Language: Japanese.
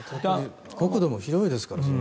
国土も広いですから。